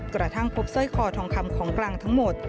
กระทั่งพบสร้อยคอทองคำของกลางทั้งหมด